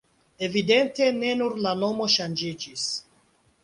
Evidente ne nur la nomo ŝanĝiĝis.